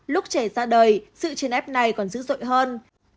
lúc trẻ ra đời sự chèn ép này còn dữ dội hơn